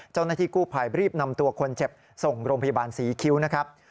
เจ้าหน้าที่กู้ภัยรีบนำตัวคนเจ็บส่งโรงพยาบาลศรีคิ้วนะครับ